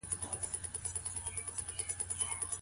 خاوند د مېرمني په شتمنۍ کي واک نلري.